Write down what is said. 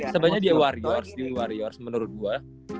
sebenernya dia warriors dia warriors menurut gue